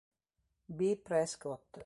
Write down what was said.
B. Prescott.